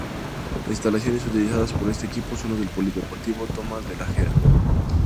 Las instalaciones utilizadas por este equipo son las del Polideportivo Tomás de la Hera.